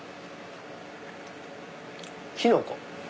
キノコ。